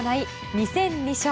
２戦２勝。